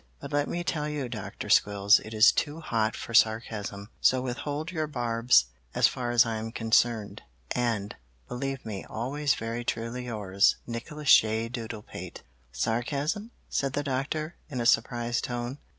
But let me tell you, Dr. Squills, it is too hot for sarcasm, so withhold your barbs as far as I am concerned, and believe me always very truly yours, Nicholas J. Doodlepate." "Sarcasm?" said the Doctor in a surprised tone.